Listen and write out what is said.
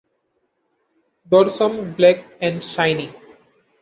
Dorsum black and shiny.